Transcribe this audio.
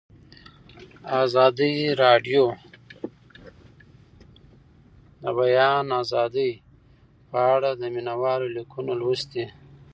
ازادي راډیو د د بیان آزادي په اړه د مینه والو لیکونه لوستي.